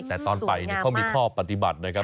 แต่ตอนไปเขามีข้อปฏิบัตินะครับ